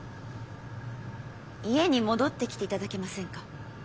家に戻ってきていただけませんか？